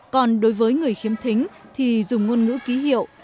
còn đối với người khiếm thính thì dùng ngôn ngữ ký hiệu